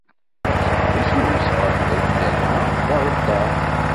Seg ufus n umesbaṭli yerna d aɣeddar!